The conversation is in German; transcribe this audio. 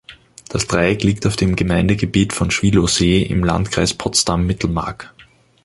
Das Dreieck liegt auf dem Gemeindegebiet von Schwielowsee im Landkreis Potsdam-Mittelmark.